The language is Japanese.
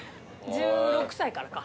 １６歳からか。